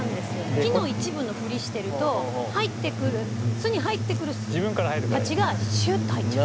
「木の一部のフリしてると巣に入ってくるハチがシュッと入っちゃう」